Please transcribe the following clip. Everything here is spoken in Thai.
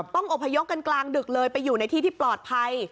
ต้องอบพยพกันกลางดึกเลยไปอยู่ในที่ที่ปลอดภัย